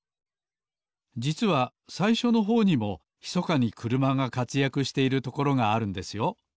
じつはさいしょのほうにもひそかにくるまがかつやくしているところがあるんですよ